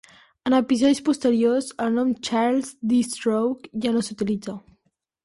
En episodis posteriors, el nom Charles D. Stroke ja no s'utilitza.